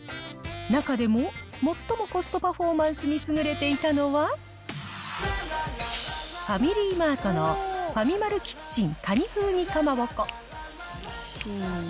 中でも、最もコストパフォーマンスに優れていたのは、ファミリーマートのファミマルＫＩＴＣＨＥＮかに風味かまぼこ。